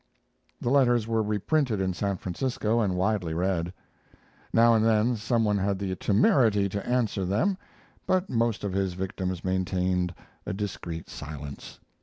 The letters were reprinted in San Francisco and widely read. Now and then some one had the temerity to answer them, but most of his victims maintained a discreet silence.